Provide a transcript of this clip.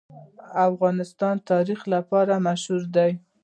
افغانستان د ننګرهار لپاره مشهور دی.